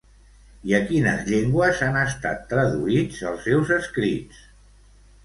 I a quines llengües han estat traduïts els seus escrits?